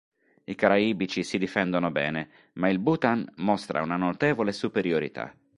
I caraibici si difendono bene, ma il Bhutan mostra una notevole superiorità.